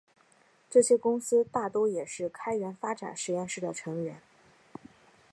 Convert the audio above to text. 这些公司大多也是开源发展实验室的成员。